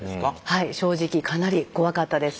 はい正直かなり怖かったです。